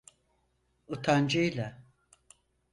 Utancıyla.